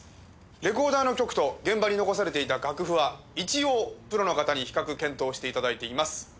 レコーダーの曲と現場に残されていた楽譜は一応プロの方に比較検討して頂いています。